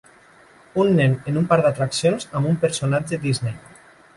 Un nen en un parc d'atraccions amb un personatge Disney.